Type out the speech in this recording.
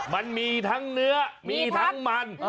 มันมีทั้งเนื้อมีทั้งมัน